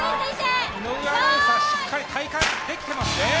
井上アナウンサー、しっかり体幹ができてますね。